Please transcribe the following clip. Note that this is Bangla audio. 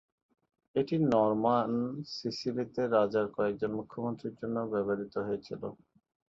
এটি নরম্যান সিসিলিতে রাজার কয়েকজন মুখ্যমন্ত্রীর জন্যও ব্যবহৃত হয়েছিল।